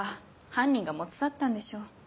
犯人が持ち去ったんでしょう。